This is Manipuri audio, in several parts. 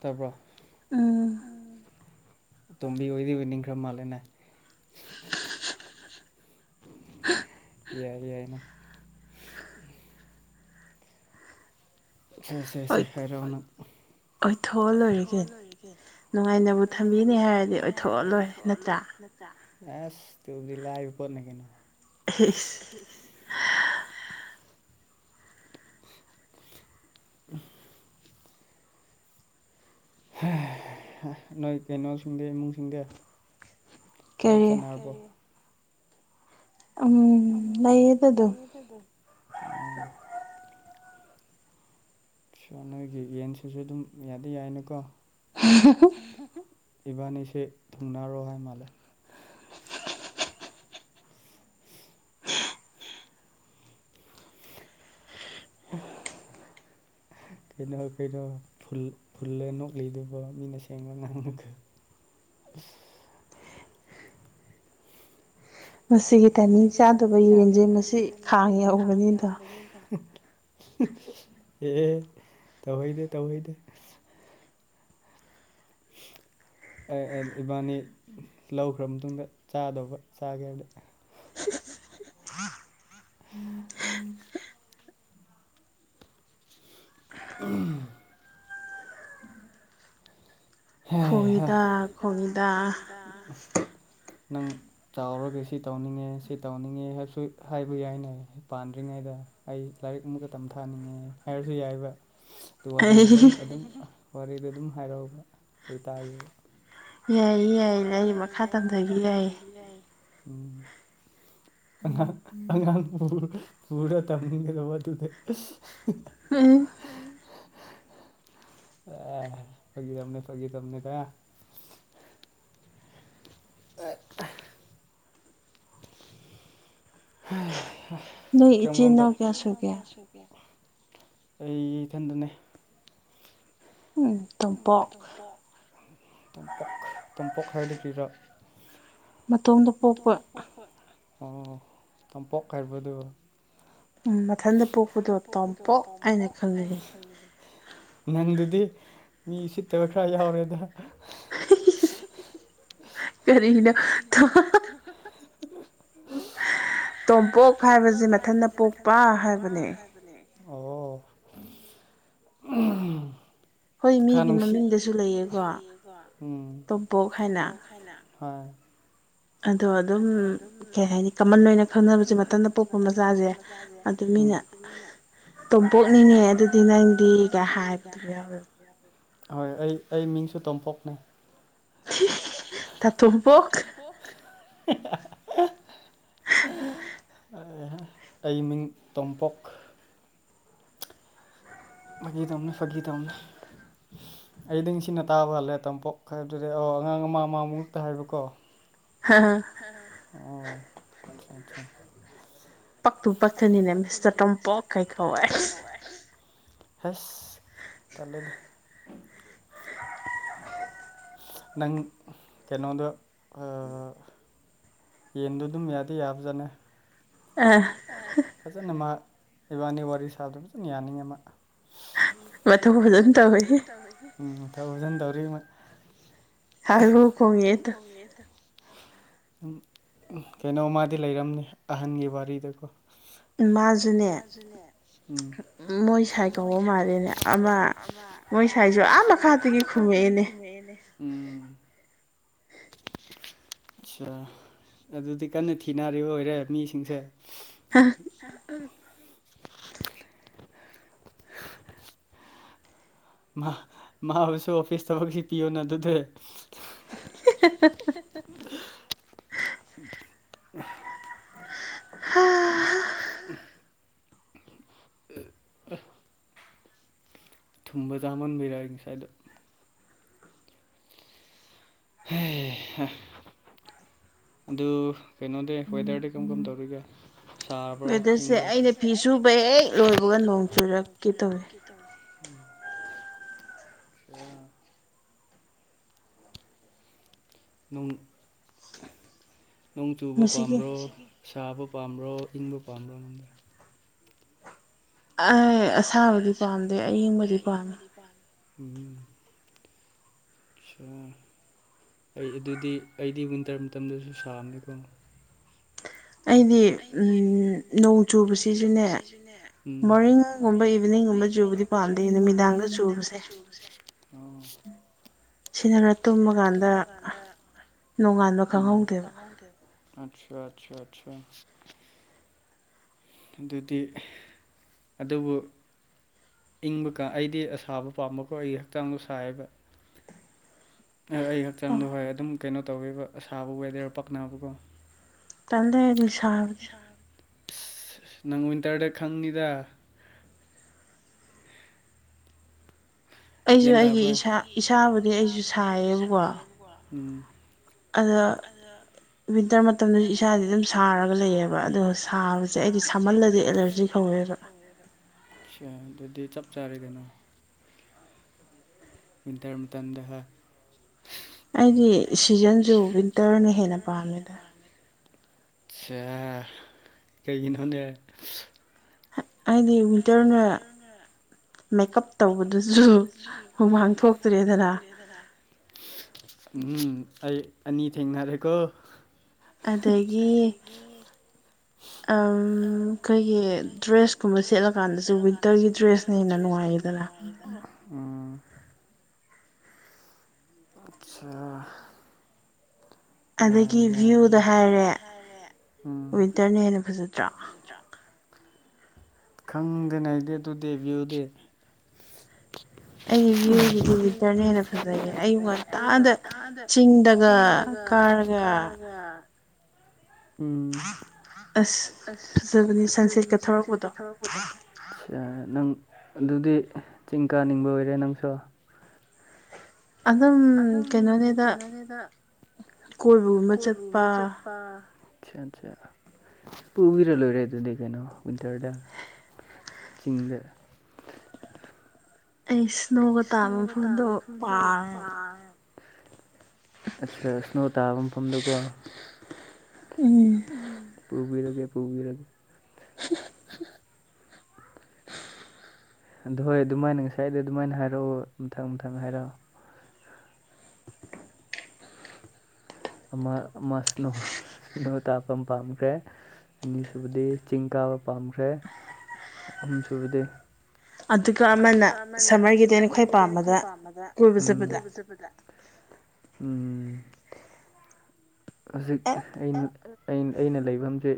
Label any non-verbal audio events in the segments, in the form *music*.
ꯇꯥꯄ꯭ꯔ ꯎꯝ ꯇꯣꯝꯕꯤ ꯑꯣꯏꯔꯤꯕ ꯅꯤꯡꯈ꯭ꯔ ꯃꯥꯜꯂꯦꯅꯦ ꯌꯥꯏ ꯌꯥꯏꯅ ꯁ ꯁꯦ ꯁꯦ ꯍꯥꯏꯔꯛꯑꯣꯅ ꯑꯣꯏꯊꯣꯛꯑ ꯂꯣꯏꯔꯒꯦ ꯅꯨꯡꯉꯥꯏꯅꯕꯨ ꯊꯝꯕꯤꯅꯤ ꯍꯥꯏꯔꯗꯤ ꯑꯣꯏꯊꯣꯛꯑ ꯂꯣꯏꯔꯦ ꯅꯠꯇ꯭ꯔꯥ ꯑꯦꯁ ꯇꯨꯕꯗꯤ ꯂꯥꯏ ꯄꯠ ꯅ ꯀꯩꯅꯣ ꯇ ꯅꯣꯏ ꯀꯩꯅꯣꯁꯤꯡꯗ ꯏꯃꯨꯡꯁꯤꯡꯗ ꯊꯕꯛ ꯆꯅꯔꯔꯕꯣ ꯎꯝ ꯎꯝ ꯅ ꯑꯗꯨ ꯑꯗꯨꯣ ꯎ *unintelligible* ꯅꯣꯏꯒꯤ ꯌꯦꯟꯁꯤꯁꯨ ꯑꯗꯨꯝ ꯌꯥꯗꯤ ꯌꯥꯏꯅꯀꯣ *unintelligible* ꯏꯕꯥꯅꯤꯁꯤ ꯊꯨꯡꯅꯔꯣ ꯍꯥꯏ ꯃꯥꯜꯂꯦ ꯀꯩꯅꯣ ꯀꯩꯅꯣ ꯐꯨꯜ ꯐꯨꯜꯂ ꯅꯣꯛꯂꯤꯗꯨꯕ ꯃꯤꯅ ꯁꯦꯡꯕ ꯉꯥꯡꯂꯒ *unintelligible* ꯃꯁꯤꯒꯤ ꯇꯥꯏꯃꯤꯡ ꯆꯥꯗꯕ ꯌꯦꯟꯁꯦ ꯃꯁꯤ ꯈꯥꯡ *unintelligible* ꯑꯦ ꯇꯧꯍꯩꯗꯦ ꯇꯧꯍꯩꯗꯦ ꯑꯩ ꯏꯕꯥꯅꯤ ꯂꯧꯈ꯭ꯔ ꯃꯇꯨꯡꯗ ꯆꯥꯗꯧꯕ ꯆꯥꯒꯦ ꯍꯥꯏꯗꯤ ꯎꯝ ꯎꯝ ꯎꯝ ꯎꯝ *unintelligible* ꯅꯪ ꯆꯥꯎꯔꯒ ꯁꯤ ꯇꯧꯅꯤꯡꯉꯦ ꯁꯤ ꯇꯧꯅꯤꯡꯉꯦ ꯍꯥꯏꯕꯁꯨ ꯍꯥꯏꯕ ꯌꯥꯏꯅꯦ ꯄꯥꯟꯗ꯭ꯔꯤꯉꯩꯗ ꯑꯩ ꯂꯥꯏꯔꯤꯛ ꯑꯃꯨꯒ ꯇꯝꯊꯥꯅꯤꯡꯉꯦ ꯍꯥꯏꯔꯁꯨ ꯌꯥꯏꯕ *unintelligible* ꯑꯗꯨ ꯋꯥꯔꯤꯗꯣ ꯂꯣꯏ ꯑꯗꯨꯝ ꯋꯥꯔꯤꯗꯣ ꯑꯗꯨꯝ ꯍꯥꯏꯔꯛꯕ ꯑꯩ ꯇꯥꯒꯦ ꯌꯥꯏ ꯌꯥꯏ ꯂꯥꯏꯔꯤꯛ ꯃꯈꯥ ꯇꯝꯊꯒꯤ ꯌꯥꯏ ꯌꯥꯏ *unintelligible* ꯑꯉꯥꯡ ꯑꯉꯥꯡ ꯄꯨꯔ ꯇꯝꯒꯗꯧꯕ ꯑꯗꯨꯗꯤ *unintelligible* *unintelligible* *unintelligible* ꯀꯔꯝ ꯀꯔꯝ ꯇꯧ ꯏꯆꯤꯟ ꯏꯅꯥꯎ ꯀꯌꯥ ꯁꯨꯒꯦ ꯑꯩ ꯏꯊꯟꯗꯅꯦ ꯇꯣꯝꯄ ꯇꯣꯝꯄꯣꯛ ꯇꯣꯝꯄꯣꯛ ꯍꯥꯏꯔꯗꯤ *unintelligible* ꯃꯇꯣꯝꯗ ꯄꯣꯛꯄ ꯑꯣ ꯇꯝꯄꯣꯛ ꯍꯥꯏꯕꯗꯨ ꯎꯝ ꯃꯊꯟꯇ ꯄꯣꯛꯄꯗꯣ ꯇꯣꯝꯄꯣꯛ ꯍꯥꯏꯅ ꯈꯪꯅꯩ ꯅꯪꯗꯨꯗꯤ ꯃꯤ ꯁꯤꯠꯇꯕ ꯈꯔ ꯌꯥꯎꯔꯦꯗ *unintelligible* ꯀꯔꯤꯅꯣ *unintelligible* ꯇꯣꯝꯄꯣꯛ ꯍꯥꯏꯕꯁꯤ ꯃꯊꯟꯇ ꯄꯣꯛꯄ ꯍꯥꯏꯕꯅꯦ ꯑꯣ *unintelligible* ꯈꯔ ꯅꯨꯡꯁꯤꯃꯤ ꯂꯩꯀꯣ ꯎꯝ ꯍꯥꯏꯅ *unintelligible* ꯑꯗꯣ ꯑꯗꯨꯝ ꯀꯩ ꯍꯥꯏꯅꯤ ꯀꯃꯟ ꯑꯣꯏꯅ ꯈꯪꯅꯕꯁꯦ ꯃꯊꯟꯗ ꯄꯣꯛꯄ ꯃꯆꯥꯁꯦ ꯑꯗꯨ ꯃꯤꯅ ꯑꯗꯨꯃꯤꯅ ꯇꯣꯝꯄꯣꯛꯅꯤꯡꯉꯦ ꯑꯗꯨꯗꯤ ꯅꯪꯗꯤꯒ ꯍꯥꯏꯕꯗꯨꯝ ꯌꯥꯎ *unintelligible* ꯍꯣꯏ ꯑꯩ ꯑꯩ ꯃꯤꯡꯁꯨ ꯇꯣꯝꯄꯣꯛꯅꯦ *unintelligible* ꯑꯩ ꯃꯤꯡ ꯇꯣꯝꯄꯣꯛ ꯐꯥꯒꯤ ꯇꯧꯅꯤ ꯐꯥꯒꯤ ꯇꯧꯅꯤ ꯑꯩꯗꯤ ꯁꯤꯅ ꯇꯥꯕ ꯍꯜꯂꯦ ꯇꯝꯄꯣꯛ ꯍꯥꯏꯕꯗꯨꯗꯤ ꯑ ꯑꯉꯥꯡ ꯑꯃ ꯑꯃꯃꯨ ꯉꯛꯇ ꯍꯥꯏꯕꯀꯣ ꯑꯣ ꯑꯆꯥ ꯑꯆꯥ ꯄꯛꯇꯨ ꯄꯛꯀꯅꯤꯅꯦ ꯃꯤꯁꯇꯔ ꯇꯣꯝꯄꯣꯛ *unintelligible* ꯍꯁ ꯇꯜꯂꯦꯗ ꯅꯪ ꯀꯩꯅꯣꯗꯣ ꯑꯥ ꯌꯦꯟꯗꯣ ꯑꯗꯨꯝ ꯌꯥꯗꯤ ꯌꯥꯕꯖꯥꯠꯅꯦ ꯑꯥ ꯐꯖꯅ ꯃꯥ ꯏꯕꯥꯅꯤ ꯋꯥꯔꯤ ꯁꯥꯕꯗꯣ ꯐꯖꯅ ꯌꯥꯅꯤꯡꯉꯤ ꯃꯥ ꯃꯊꯧ ꯐꯖꯟꯅ ꯇꯧꯋꯤꯍꯦ ꯎꯝ ꯃꯊꯧ ꯐꯖꯅ ꯇꯧꯔꯤ ꯃꯣꯏ *unintelligible* ꯈꯣꯡꯉꯛꯑꯦ ꯇꯨ ꯌꯦꯇꯨ ꯎꯝ ꯀꯩꯅꯣ ꯃꯗꯤ ꯂꯩꯔꯝꯅꯤ ꯑꯍꯟꯒꯤ ꯋꯥꯔꯤꯗꯣꯀꯣ *inaudible* ꯃꯥꯁꯨꯅꯦ ꯃꯣꯏ ꯊꯥꯏ *unintelligible* ꯑꯃ ꯃꯣꯏ ꯁꯥꯏꯖꯨ ꯑꯥ ꯃꯈꯥꯒꯤ ꯈꯨꯝꯃꯛꯑꯦꯅꯦ ꯎꯝ ꯑꯆꯥ ꯑꯗꯨꯗꯤ ꯀꯟꯅ ꯊꯤꯅꯔꯤꯕ ꯑꯣꯏꯔꯦ ꯃꯤꯁꯤꯡꯁꯦ ꯍꯥꯥ *unintelligible* *inaudible* ꯃꯥꯁꯨ ꯑꯣꯐꯤꯁꯇ *unintelligible* ꯄꯤꯌꯣꯅ ꯑꯗꯨꯗꯤ *unintelligible* *inaudible* *unintelligible* ꯍꯥ ꯍꯥ ꯊꯨꯝꯕ ꯆꯥꯝꯃꯟꯕꯩꯔ ꯑꯩ ꯉꯁꯥꯏꯗꯣ ꯍꯩꯍꯥ ꯑꯗꯣ ꯀꯩꯅꯣꯗꯤ ꯋꯦꯗꯔꯗꯤ ꯀꯔꯝ ꯀꯔꯝ ꯇꯧꯔꯤꯕ ꯁꯕ꯭ꯔꯣ ꯏꯪꯕ꯭ꯔꯣ ꯋꯦꯗꯔꯁꯦ ꯑꯩꯅ ꯐꯤ ꯁꯨꯕ ꯍꯦꯛ ꯂꯣꯏꯕꯒ ꯅꯣꯡ ꯁꯨꯔꯛꯀꯤ ꯇꯣꯛꯑꯦ ꯎꯝ ꯀꯩ ꯍꯥꯏꯅꯣ ꯅꯣꯡ ꯅꯣꯡ ꯆꯨꯕ ꯄꯥꯝꯕ꯭ꯔꯣ ꯁꯥꯕ ꯄꯥꯝꯕ꯭ꯔꯣ ꯏꯪꯕ ꯄꯥꯝꯕꯣ ꯅꯪꯗꯤ ꯑꯩ ꯑꯁꯥꯕꯗꯤ ꯄꯥꯝꯗꯦ ꯑꯌꯪꯕꯗꯤ ꯄꯥꯝꯃꯦ ꯏꯕ꯭ꯔꯥꯡ ꯎꯝ ꯁꯥ ꯑꯩ ꯑꯗꯨꯗꯤ ꯑꯩꯗꯤ ꯋꯤꯟꯇꯔ ꯃꯇꯝꯗꯁꯨ ꯁꯥꯍꯟꯅꯤꯀꯣ ꯑꯩꯗꯤ ꯅꯣꯡ ꯆꯨꯕꯁꯤꯁꯨꯅꯦ ꯃꯣꯔꯅꯤꯡꯒꯨꯝꯕ ꯏꯚꯤꯅꯤꯡ ꯒꯨꯝ- ꯒꯨꯝꯕ ꯆꯨꯕꯗꯤ ꯄꯥꯝꯗꯦ ꯅꯨꯃꯤꯗꯥꯡꯗ ꯆꯨꯕꯁꯦ ꯑꯣ ꯁꯤꯅꯔ ꯇꯨꯝꯃꯀꯥꯟꯗ ꯅꯣꯡꯉꯥꯟꯕ ꯈꯪꯍꯧꯗꯦ ꯍꯧꯗꯦꯕ ꯑꯠꯁꯥ ꯑꯠꯁꯥ ꯑꯠꯁꯥ ꯑꯗꯨꯗꯤ ꯑꯗꯨꯕꯨ ꯏꯪꯕ ꯀꯥ ꯑꯩꯗꯤ ꯑꯁꯥꯕ ꯄꯥꯝꯕꯀꯣ ꯑꯩꯒꯤ ꯍꯛꯆꯥꯡꯗꯣ ꯁꯥꯥꯏꯌꯦꯕ ꯑꯩ ꯍꯛꯆꯥꯡꯗꯣ ꯍꯣꯏ ꯑꯗꯨꯝ ꯀꯩꯅꯣ ꯇꯧꯋꯦꯕ ꯑꯁꯥꯕ ꯋꯦꯗꯔ ꯄꯛꯅꯥꯕꯀꯣ ꯇꯂꯦ ꯑꯩꯗꯤ ꯁꯕꯁꯦ ꯑꯁ ꯅꯪ ꯋꯤꯟꯇꯔꯗ ꯈꯪꯅꯤꯗ ꯒ꯭ꯌꯥꯟ ꯇꯕ꯭ꯔꯥ ꯑꯩꯁꯨ ꯑꯩꯒꯤ ꯏꯁꯥ ꯏꯁꯥ ꯏꯁꯥꯕꯨꯗꯤ ꯑꯩꯁꯨ ꯁꯥꯏꯌꯦꯕꯀꯣ ꯎꯝ ꯑꯗꯣ ꯋꯤꯟꯇꯔ ꯃꯇꯝꯗꯁꯨ ꯏꯁꯥꯥꯁꯦ ꯑꯗꯨꯝ ꯁꯥꯔꯒ ꯂꯩꯌꯦꯕ ꯑꯗꯣ ꯁꯥꯕꯁꯦ ꯑꯩꯗꯤ ꯁꯥꯃꯜꯂꯗꯤ ꯑꯦꯂꯔꯖꯤ ꯍꯧꯋꯦꯕ *unintelligible* ꯑꯠꯁꯥ ꯑꯗꯨꯗꯤ ꯆꯞ ꯆꯥꯔꯦ ꯀꯩꯅꯣ ꯋꯤꯟꯇꯔ ꯃꯇꯝꯗ ꯑꯩꯗꯤ ꯁꯤꯖꯟꯁꯨ ꯋꯤꯟꯇꯔꯅ ꯍꯦꯟꯅ ꯄꯥꯝꯃꯦꯗ ꯑꯠꯁꯥ ꯀꯩꯒꯤꯅꯣꯅꯦ ꯍꯥꯏꯗꯤ ꯋꯤꯟꯇꯔꯅ ꯃꯦꯛ ꯀꯞ ꯇꯧꯕꯗꯨꯁꯨ ꯍꯨꯃꯥꯡ ꯊꯣꯛꯇ꯭ꯔꯦꯗꯅ *unintelligible* ꯎꯝ ꯑꯩ ꯑꯅꯤ ꯊꯦꯡꯅꯔꯦꯀꯣ ꯑꯗꯒꯤ ꯑꯩꯈꯣꯏꯒꯤ ꯗ꯭ꯔꯦꯁ ꯗ꯭ꯔꯦꯁ ꯀꯨꯝꯕ ꯁꯦꯠꯂ ꯀꯥꯟꯗꯁꯨ ꯋꯤꯟꯇꯔꯒꯤ ꯗ꯭ꯔꯦꯁꯅ ꯍꯦꯟꯅ ꯅꯨꯡꯉꯥꯏ ꯑꯆꯥ ꯌꯥ ꯎꯝ ꯑꯩꯅ ꯐꯖꯗ꯭ꯔꯥ ꯈꯪꯗꯅꯩꯗꯤ ꯑꯗꯨꯗꯤ ꯚ꯭ꯌꯨꯗꯤ ꯎ ꯑꯩꯗꯤ ꯚꯤꯌꯨꯒꯤꯗꯤ ꯋꯤꯟꯇꯔꯅ ꯍꯦꯟꯅ ꯐꯖꯩꯌꯦ ꯑꯌꯨꯛ ꯉꯟꯇꯥꯗ ꯆꯤꯡꯗꯒ ꯑꯥ ꯀꯥꯔꯒ ꯎꯝ ꯑꯁ ꯐꯕꯅꯤ ꯁꯟꯁꯦꯠꯀ ꯊꯣꯔꯛ- ꯄꯗꯣ ꯑꯠꯁꯥ ꯅꯪ ꯑꯗꯨꯗꯤ ꯆꯤꯡ ꯀꯥꯅꯤꯡꯕ ꯑꯣꯏꯔꯦ ꯅꯪꯁꯨ ꯑꯗꯨꯝ ꯀꯩꯅꯣꯅꯤꯗ ꯀꯣꯏꯕꯒꯨꯝꯕ ꯆꯠꯄꯥ ꯑꯠꯁꯥ ꯑꯠꯁꯥ ꯄꯨꯕꯤꯔ ꯂꯣꯏꯔꯦ ꯑꯗꯨꯗꯤ ꯀꯩꯅꯣ ꯋꯤꯟꯇꯔꯗ ꯆꯤꯡꯗ ꯑꯩ ꯏꯁ꯭ꯅꯣꯒ ꯇꯥꯕ ꯃꯐꯝꯗꯣ ꯄꯥꯝꯦꯕ ꯑꯥ ꯑꯆꯥ ꯁ꯭ꯅꯣ ꯇꯥꯕ ꯃꯐꯝꯗꯀꯣ ꯄꯨꯕꯨꯞꯕꯤꯗꯒꯦ ꯄꯨꯕꯤꯗꯦ ꯑꯗ ꯍꯣꯏ ꯑꯗꯨꯃꯥꯏꯅ ꯉꯁꯥꯏꯗ ꯑꯗꯨꯃꯥꯏꯅ ꯍꯥꯏꯔꯛꯑꯣ ꯃꯊꯪ ꯃꯊꯪ ꯍꯥꯏꯔꯛꯑꯣ ꯑꯃ ꯑꯃꯅꯣ ꯏꯁ꯭ꯅꯣ ꯇꯥꯄ ꯄꯥꯝꯈ꯭ꯔꯦ ꯑꯅꯤꯁꯨꯕꯗꯤ ꯆꯤꯡ ꯀꯥꯕ ꯄꯥꯝꯈ꯭ꯔꯦ ꯑꯍꯨꯝ ꯁꯨꯕꯗꯤ ꯑꯗꯨꯒ ꯑꯃꯅ ꯁꯝꯃꯔꯒꯤꯗ ꯑꯩꯅ ꯈ꯭ꯋꯥꯏ ꯄꯥꯝꯕꯗ ꯀꯣꯏꯕꯖꯕꯗ ꯎꯝ ꯍꯧꯖꯤꯛ ꯑꯩꯅ ꯂꯩꯐꯝꯁꯦ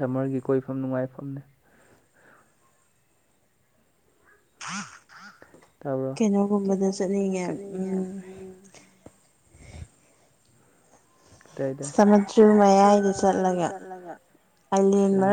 ꯁꯝꯃꯔꯒꯤ ꯀꯣꯏꯐꯝ ꯅꯨꯡꯉꯥꯏꯐꯝꯅꯤ ꯀꯩꯅꯣꯒꯨꯝꯕꯗ ꯆꯠꯅꯤꯡꯉꯦ ꯎꯝ ꯁꯃꯨꯇꯨ ꯃꯌꯥꯏꯗ ꯆꯠꯂꯒ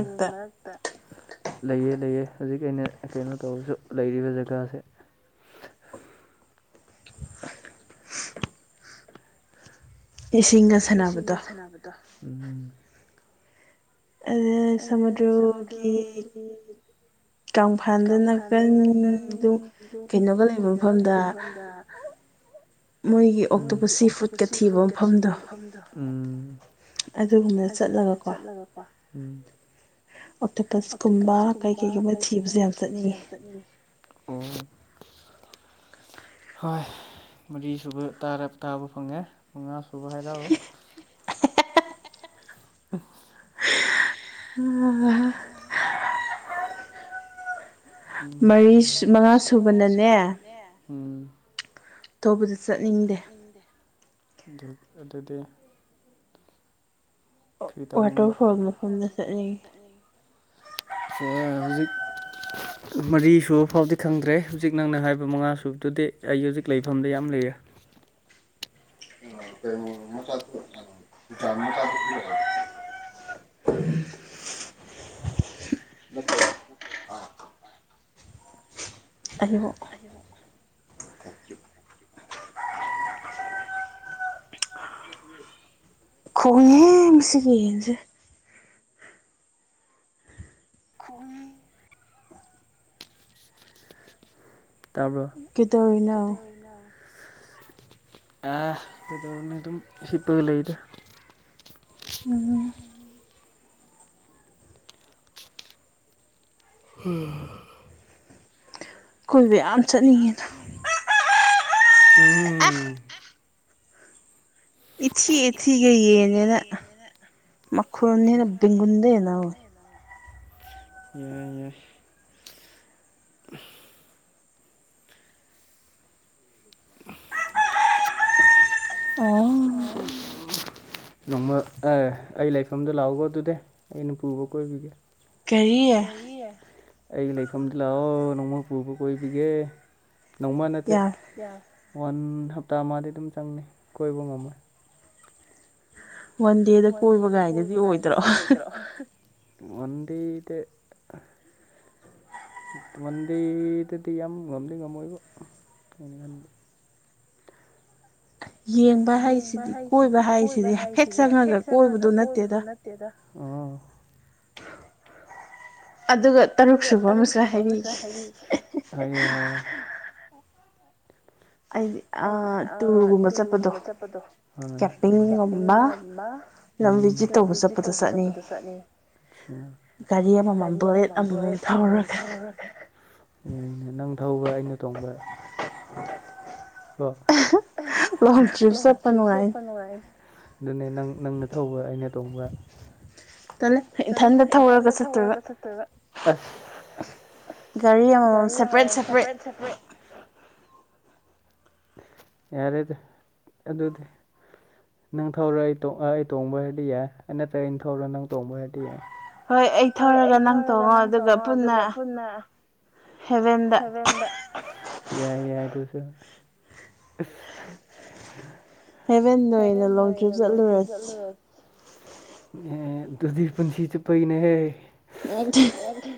ꯂꯦꯟꯃꯔꯛ ꯂꯩꯌꯦꯦ ꯂꯩꯌꯦꯦ ꯍꯧꯖꯤꯛ ꯑꯩꯅ ꯀꯩꯅꯣ ꯇꯧꯔꯁꯨ ꯂꯩꯔꯤꯕ ꯖꯒꯥꯁꯦ ꯑ ꯁꯤꯡ ꯏꯁꯤꯡꯒ ꯁꯥꯟꯅꯕꯗꯣ ꯎ ꯑ ꯁꯃꯨꯗ꯭ꯔꯒꯤ ꯀꯪꯐꯥꯟꯗ ꯅꯥꯀꯟꯗꯨ ꯀꯩꯅꯣꯒ ꯂꯩꯕ ꯃꯐꯝꯗ ꯃꯣꯏꯒꯤ ꯑꯣꯛꯇꯣꯄ ꯁꯤ ꯐꯨꯗꯀ ꯊꯤꯕ ꯃꯐꯝꯗꯣ ꯑꯗꯨꯗꯨꯅ ꯆꯠꯂꯒꯀꯣ ꯑꯣꯇꯣꯄꯁꯀꯨꯝꯕ ꯀꯩ ꯀꯩꯒꯨꯝꯕ ꯊꯤꯕꯁꯨ ꯌꯥꯝ ꯆꯠꯅꯤꯡꯉꯤ ꯅꯤ ꯑꯣ ꯍꯣꯏ ꯃꯔꯤ ꯁꯨꯕ ꯇꯥꯕ ꯐꯪꯉꯦ ꯃꯉꯥ ꯁꯨꯕ ꯍꯥꯏꯔꯛꯎ ꯄ ꯑꯣ ꯃꯔꯤ ꯃꯉꯥ ꯁꯨꯕꯅꯅꯦ ꯑ ꯇꯧꯕꯗ ꯆꯠꯅꯤꯡꯗꯦ ꯑꯗꯨꯗꯤ ꯀꯔꯤ ꯇꯧꯅꯤꯡꯕ ꯁꯦ ꯍꯧꯖꯤꯛ ꯃꯔꯤ ꯁꯨꯕ ꯐꯥꯎꯗꯤ ꯈꯪꯗ꯭ꯔꯦ ꯍꯧꯖꯤꯛ ꯅꯪꯅ ꯍꯥꯏꯕ ꯃꯉꯥ ꯁꯨꯕꯗꯨꯗꯤ ꯑꯩ ꯍꯧꯖꯤꯛ ꯂꯩꯐꯝꯗ ꯌꯥꯝ ꯂꯩꯔꯦ ꯑꯣ ꯐ ꯎ ꯇꯃꯦ ꯑꯕ ꯊꯦꯡꯀꯌꯨ ꯈꯨꯌꯦꯡꯁꯤꯗꯤ *inaudible* ꯇꯥꯕ꯭ꯔꯣ ꯑꯦ ꯀꯗꯧꯅꯤ ꯑꯗꯨꯝ ꯁꯤꯄꯒ ꯂꯩꯗ ꯎꯝ ꯎꯝ ꯀꯣꯏꯕ ꯌꯥꯝ ꯆꯠꯅꯤꯡꯉꯦꯅ ꯎꯝ ꯏꯆ ꯄꯤꯊꯤꯒꯌꯦꯅꯦꯅ ꯃꯈꯣꯟꯅꯤꯅ ꯇꯦꯡꯒꯨꯝꯗꯅ ꯌꯦ ꯅꯣꯡꯃ ꯑꯩ ꯂꯩꯐꯝꯗ ꯂꯥꯛꯎꯕ ꯑꯗꯨꯗ ꯑꯩꯅ ꯄꯨꯕ ꯀꯣꯏꯕꯤꯒꯦ ꯀꯔꯤ ꯑꯩꯒꯤ ꯂꯩꯐꯝꯗ ꯂꯥꯛꯑꯣ ꯅꯣꯡꯃ ꯀꯣꯏꯕꯥ ꯄꯨꯕꯤꯒꯦ ꯅꯣꯡꯃ ꯅꯠꯇꯦ ꯋꯥꯟ ꯍꯞꯇꯥ ꯑꯃꯥꯗꯤ ꯑꯗꯨꯝ ꯆꯪꯅꯤ ꯀꯣꯏꯕ ꯉꯝꯃꯣꯏ ꯋꯥꯟ ꯗꯦꯗ ꯀꯣꯏꯕ ꯒꯥꯥꯏꯗꯨꯗꯤ ꯑꯣꯏꯗ꯭ꯔꯣ ꯎꯗꯤꯗ ꯇꯃꯟꯗꯤꯗꯗꯤ ꯌꯥꯝ ꯉꯝꯗꯤꯦ ꯉꯝꯃꯣꯏꯕ ꯀꯩꯩꯅ ꯈꯟꯕ ꯌꯦꯡꯕ ꯍꯥꯏꯁꯤꯗꯤ ꯀꯣꯏꯕ ꯍꯥꯏꯁꯤꯗꯤ ꯍꯥꯏꯐꯦꯠ ꯆꯪꯉꯒ ꯀꯣꯏꯕꯗꯨ ꯅꯠꯇꯦ ꯗ ꯎ ꯑꯗꯨꯒ ꯇꯔꯨꯛ ꯁꯨꯕ ꯑꯃꯁꯨ ꯍꯥꯏꯔꯤ ꯍꯥꯏꯌꯣ ꯍꯥꯏꯌꯣ ꯑꯩꯗꯤ ꯇꯨꯔꯒꯨꯝꯕ ꯆꯠꯄꯗꯣ ꯀꯦꯝꯄꯤꯡꯒꯨꯝꯕ ꯂꯝ ꯚꯤꯖꯤꯠ ꯇꯧꯕ ꯆꯠꯄꯗ ꯆꯠꯅꯤ ꯒꯥꯔꯤ ꯑꯃꯃꯝ ꯣꯠ ꯑꯃꯃꯝ ꯊꯧꯔꯒ ꯌꯥꯩꯅ ꯅꯪ ꯊꯧꯕ ꯑꯩꯅ ꯇꯣꯡꯕ ꯍ ꯂꯣꯡ ꯇ꯭ꯔꯤꯄ ꯆ ꯄ ꯋꯥꯏ ꯑꯗꯨꯅꯦ ꯅꯪ ꯅꯪꯅ ꯊꯧꯕ ꯑꯩꯅ ꯇꯣꯡꯕ ꯇꯜꯂꯦ ꯏꯊꯟꯗ ꯊꯧꯔꯒ ꯆꯠꯇꯣꯏꯕ ꯒꯥꯔꯤ ꯑꯃꯃꯝ ꯁꯦꯄꯔꯦꯠ ꯁꯦꯄꯔꯦꯠ ꯁꯦꯄꯔꯦꯠ ꯌꯥꯔꯦꯗ ꯑꯗꯨꯗꯤ ꯅꯪ ꯊꯧꯔꯣ ꯑꯩ ꯑꯩ ꯇꯣꯡꯕ ꯍꯥꯏꯔꯗꯤ ꯌꯥꯏ ꯅꯠꯇ꯭ꯔꯒ ꯑꯩꯅ ꯊꯧꯔ ꯅꯪ ꯇꯣꯡꯕ ꯍꯥꯏꯔꯗꯤ ꯌꯥꯏ ꯍꯣꯏ ꯑꯩ ꯊꯧꯔꯒ ꯅꯪ ꯇꯣꯡꯉꯣ ꯑꯗꯨꯒ ꯄꯨꯟꯅ ꯍꯦꯕꯦꯟꯗ ꯌꯥꯏ ꯌꯥꯏ ꯗꯨꯁꯨ ꯍꯦꯕꯦꯟ ꯅꯣꯏꯅ ꯂꯣꯛꯆꯦ ꯆꯠꯂꯨꯔꯁꯤ ꯑꯗꯨꯗꯤ ꯄꯨꯟꯁꯤ ꯆꯨꯞꯄꯒꯤꯅꯦꯍꯦ ꯎ ꯎ